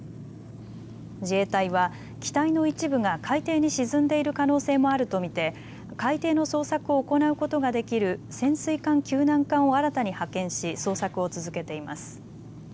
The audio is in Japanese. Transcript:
自衛隊は機体の一部が海底に沈んでいる可能性もあると見て海底の捜索を行うことができる潜水艦救難艦を新たに派遣し捜索を続けています。